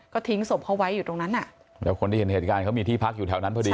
ก็ทิ้งศพเขาไว้อยู่ตรงนั้นอ่ะแล้วคนที่เห็นเหตุการณ์เขามีที่พักอยู่แถวนั้นพอดี